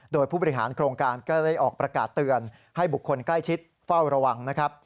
โดยผู้บริหารโครงการก็ได้ออกประกาศเตือนให้บุคคลใกล้ชิดเฝ้าระวังนะครับ